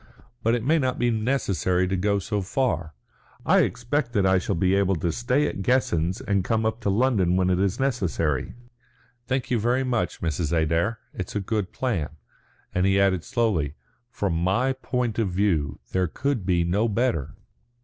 But it may not be necessary to go so far. I expect that I shall be able to stay at Guessens and come up to London when it is necessary. Thank you very much, Mrs. Adair. It is a good plan." And he added slowly, "From my point of view there could be no better."